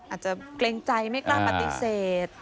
เกรงใจไม่กล้าปฏิเสธ